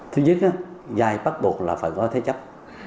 thứ nhất dài bắt buộc là phải có thế chấp